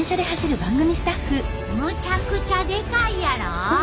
むちゃくちゃでかいやろ。